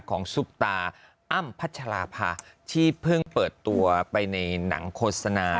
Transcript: ซุปตาอ้ำพัชราภาที่เพิ่งเปิดตัวไปในหนังโฆษณา